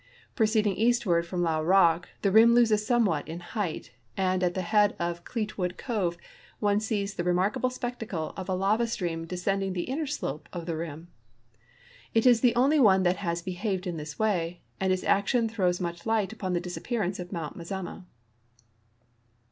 Proceeding eastward from Llao rock, the rim loses somewliat in height, and at the head of Cleetwood cove one sees the remarkable spectacle of a lava stream descending tlie inner slope of the rim. It is the only one that has behaved in this way, and its action throws niucli liglit upon the disappearance of Mount Mazama.